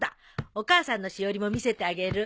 お母さんのしおりも見せてあげる。